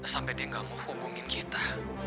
sampai dia gak mau hubungin kita